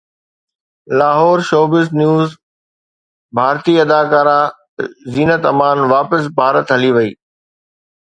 Lahore (showbiz news) ڀارتي اداڪارا زينت امان واپس ڀارت هلي وئي